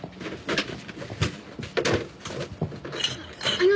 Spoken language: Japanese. あの。